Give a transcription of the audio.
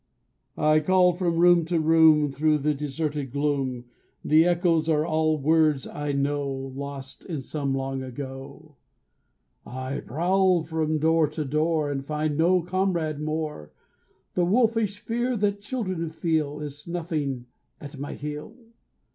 I call from room to room Through the deserted gloom; The echoes are all words I know, Lost in some long ago. I prowl from door to door, And find no comrade more. The wolfish fear that children feel Is snuffing at my heel.